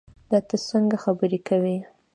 دا تۀ څنګه خبرې کوې